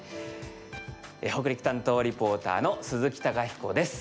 北陸担当リポーターの鈴木貴彦です。